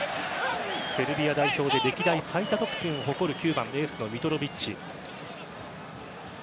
セルビア代表で歴代最多得点を誇る９番、エースのミトロヴィッチ。